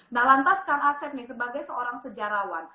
nah lantas kang asep nih sebagai seorang sejarawan